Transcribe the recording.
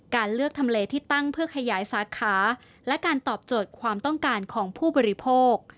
การเลือกทำเลที่ตั้งเพื่อขยายสาขาและการตอบโจทย์ความต้องการของผู้บริโภค